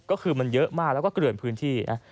ก็คือมันเยอะมากแล้วก็เกลื่อนพื้นที่นะ